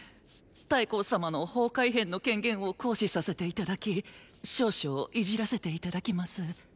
太后様の法改変の権限を行使させて頂き少々いじらせて頂きます。